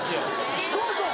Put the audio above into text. そうそう。